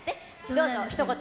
どうぞ、ひと言